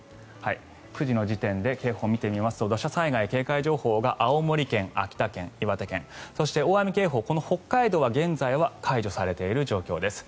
９時の時点で警報を見てみますと土砂災害警戒情報が青森県、秋田県、岩手県そして大雨警報この北海道は現在は解除されている状況です。